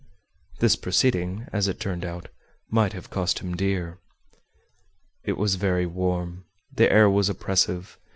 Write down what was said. This proceeding, as it turned out, might have cost him dear. It was very warm; the air was oppressive.